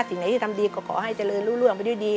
สิ่งไหนที่ทำดีก็ขอให้เจริญรู้ร่วงไปด้วยดี